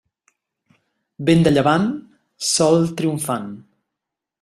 Vent de llevant, sol triomfant.